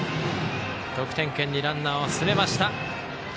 得点圏にランナーを進めました。